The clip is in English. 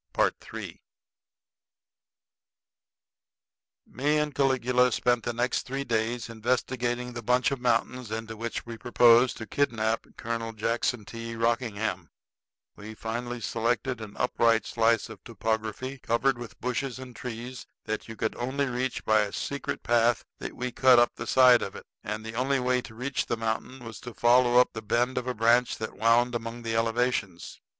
III Me and Caligula spent the next three days investigating the bunch of mountains into which we proposed to kidnap Colonel Jackson T. Rockingham. We finally selected an upright slice of topography covered with bushes and trees that you could only reach by a secret path that we cut out up the side of it. And the only way to reach the mountain was to follow up the bend of a branch that wound among the elevations.